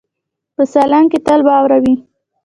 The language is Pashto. په سالنګ کې تل واوره وي.